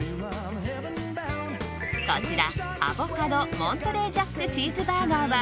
こちらアボカドモントレージャックチーズバーガーは